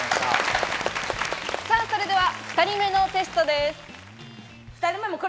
それでは２人目のテストです。